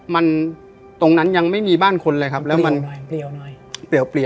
มันตรงนั้นยังไม่มีบ้านคนเลยครับแล้วมันหน่อยเปลี่ยวหน่อยเปลี่ยวเปลี่ยว